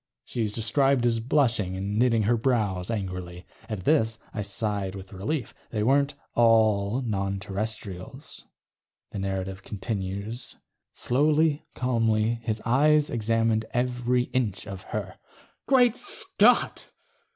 She is described as blushing and knitting her brows angrily. At this, I sighed with relief. They weren't all non Terrestrials. The narrative continues: ... slowly, calmly, his eyes examined every inch of her. Great Scott!